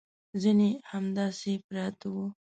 ځینې همداسې پراته وو.